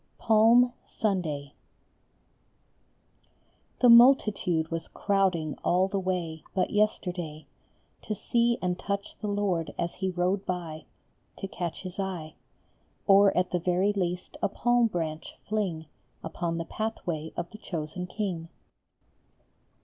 PALM SUNDAY. ijHE multitude was crowding all the way, But yesterday, To see and touch the Lord as he rode by, To catch his eye, Or at the very least a palm branch fling Upon the pathway of the chosen King.